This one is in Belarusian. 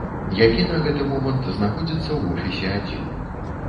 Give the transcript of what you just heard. Які на гэты момант знаходзіцца ў офісе адзін.